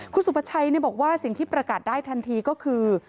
คุณสุภาชัยบอกว่าสิ่งที่ประกาศได้ทันทีก็คือ